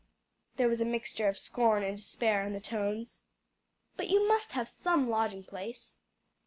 There was a mixture of scorn and despair in the tones. "But you must have some lodging place?"